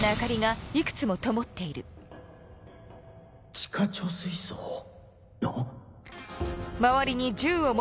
地下貯水槽あっ。